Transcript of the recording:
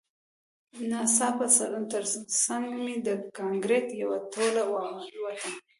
ناڅاپه ترڅنګ مې د کانکریټ یوه ټوټه والوته